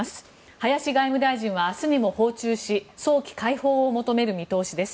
林外務大臣は明日にも訪中し早期解放を求める見通しです。